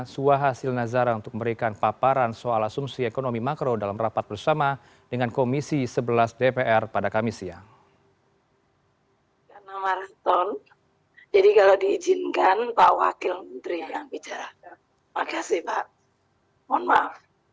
suah hasil nazara untuk memberikan paparan soal asumsi ekonomi makro dalam rapat bersama dengan komisi sebelas dpr pada kamis siang